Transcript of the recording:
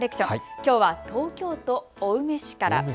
きょうは東京都青梅市から。